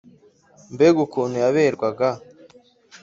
Mbega ukuntu yaberwaga